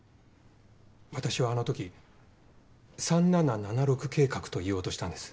私はあのとき３７７６計画と言おうとしたんです。